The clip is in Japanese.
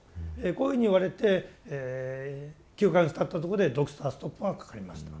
こういうふうに言われて９か月たったとこでドクターストップがかかりました。